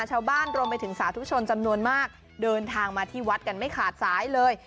รวมไปถึงสาธุชนจำนวนมากเดินทางมาที่วัดกันไม่ขาดสายเลย